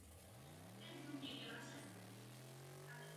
V rodné zemi působil v pastoraci i jako katecheta ve školách.